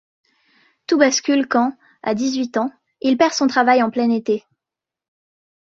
Tout bascule quand, à dix-huit ans, il perd son travail en plein été.